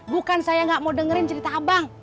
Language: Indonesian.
bukan saya nggak mau dengerin cerita abang